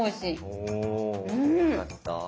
およかった。